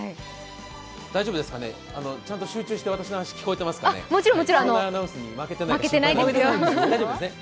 大丈夫ですか、ちゃんと集中して私の話、聞けてますか、町内アナウンスに負けてないですか。